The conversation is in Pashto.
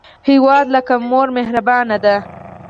هیواد لکه مور مهربانه دی